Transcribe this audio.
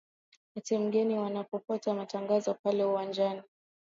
ati mwengine wanapotoa matangazo pale uwanjani